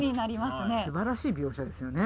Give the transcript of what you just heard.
すばらしい描写ですよね。